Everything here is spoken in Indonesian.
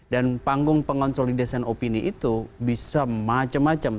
dan panggung pengonsolidasikan opini itu bisa macam macam